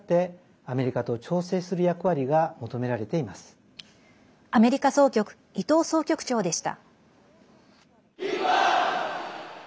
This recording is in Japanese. アメリカ総局伊藤総局長でした。